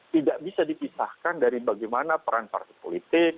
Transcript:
tidak bisa dipisahkan dari bagaimana peran partai politik